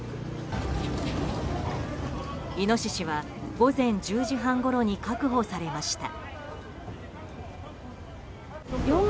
イノシシは午前１０時半ごろに確保されました。